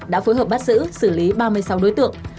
đã phối hợp bắt giữ xử lý ba mươi sáu đối tượng